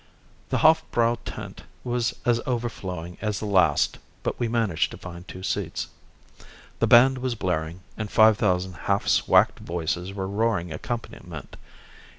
The Hofbräu tent was as overflowing as the last but we managed to find two seats. The band was blaring, and five thousand half swacked voices were roaring accompaniment.